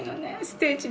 ステージ